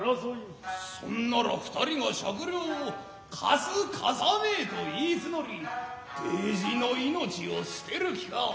そんなら二人が百両を貸す貸さねえと云いつのり大事の命を捨てる気か。